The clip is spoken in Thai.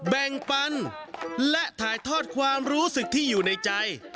แบ่งปันและถ่ายทอดความรู้สึกที่อยู่ในใจ